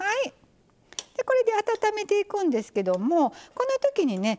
これで温めていくんですけどもこのときにね